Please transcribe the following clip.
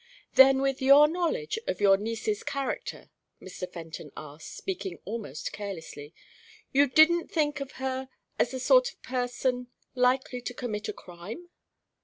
"Then with your knowledge of your niece's character," Mr. Fenton asked, speaking almost carelessly, "you didn't think of her as the sort of person likely to commit a crime?"